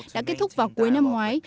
đã kết thúc vào cuối năm ngoái